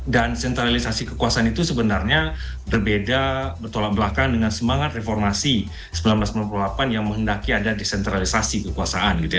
dan sentralisasi kekuasaan itu sebenarnya berbeda betul atau belakang dengan semangat reformasi seribu sembilan ratus sembilan puluh delapan yang menghendaki ada desentralisasi kekuasaan gitu ya